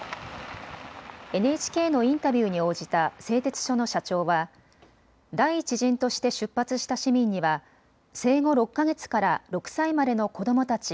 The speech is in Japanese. ＮＨＫのインタビューに応じた製鉄所の社長は第１陣として出発した市民には生後６か月から６歳までの子どもたち